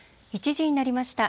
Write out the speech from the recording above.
１時になりました。